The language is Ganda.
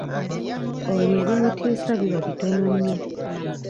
Oyo ebimutiisa biba bitono nnyo!